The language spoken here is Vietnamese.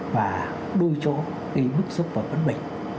và đôi chỗ đi bước xuống và vấn đề